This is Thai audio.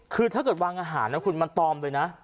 คือถ้าเกิดวางอาหารนะคุณมันตอมเลยนะ